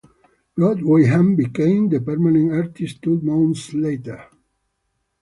Rod Whigham became the permanent artist two months later.